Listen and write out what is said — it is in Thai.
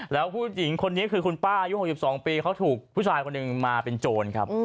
แล้วผู้หญิงคนนี้คือคุณป้าอายุ๖๒ปีเขาถูกผู้ชายคนหนึ่งมาเป็นโจรครับ